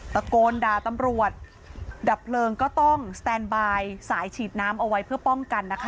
ตะโกนด่าตำรวจดับเพลิงก็ต้องสแตนบายสายฉีดน้ำเอาไว้เพื่อป้องกันนะคะ